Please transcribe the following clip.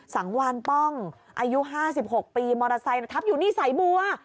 สังวานป้องอายุ๕๖ปีมอเตอร์ไซค์ทับอยู่นี่สายบัว